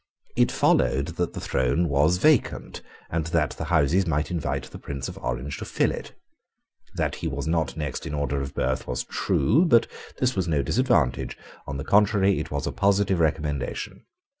It followed that the throne was vacant, and that the Houses might invite the Prince of Orange to fill it. That he was not next in order of birth was true: but this was no disadvantage: on the contrary, it was a positive recommendation.